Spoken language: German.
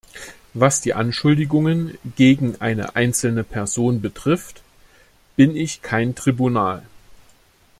Was die Anschuldigungen gegen eine einzelne Person betrifft, bin ich kein Tribunal.